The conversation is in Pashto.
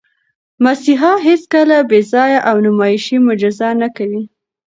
مسیحا هیڅکله بېځایه او نمایشي معجزه نه کوي.